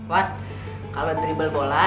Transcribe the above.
wat kalau dribble bola